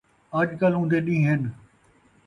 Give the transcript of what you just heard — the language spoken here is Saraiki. اڄ کل اوندے ݙینہہ ہن